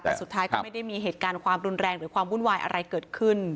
แต่สุดท้ายก็ไม่ได้มีเหตุการณ์ความรุนแรงหรือความวุ่นวายอะไรเกิดขึ้น